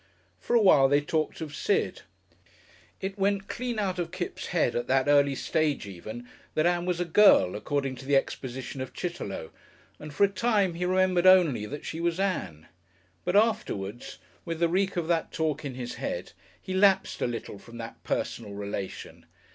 For a while they talked of Sid. It went clean out of Kipps' head at that early stage even that Ann was a "girl" according to the exposition of Chitterlow, and for a time he remembered only that she was Ann. But afterwards, with the reek of that talk in his head, he lapsed a little from that personal relation.